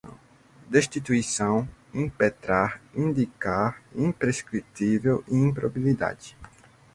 destituição, impetrar, indiciar, imprescritível, improbidade